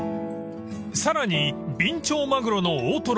［さらにビンチョウマグロの大トロ］